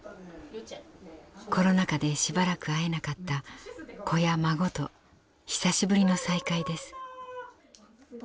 コロナ禍でしばらく会えなかった子や孫と久しぶりの再会です。